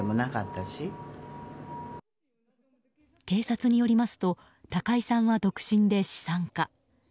警察によりますと高井さんは独身で資産家。